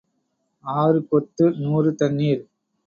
ஆறு கொத்து, நூறு தண்ணீர்.